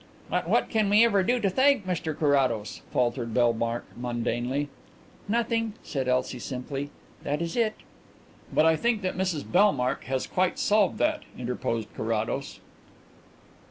"But what can we ever do to thank Mr Carrados?" faltered Bellmark mundanely. "Nothing," said Elsie simply. "That is it." "But I think that Mrs Bellmark has quite solved that," interposed Carrados.